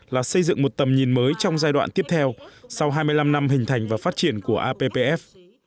là xây dựng một tầm nhìn mới trong giai đoạn tiếp theo sau hai mươi năm năm hình thành và phát triển của appf